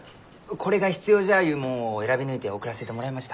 これが必要じゃゆうもんを選び抜いて送らせてもらいました。